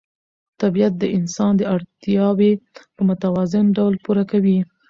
طبیعت د انسان اړتیاوې په متوازن ډول پوره کوي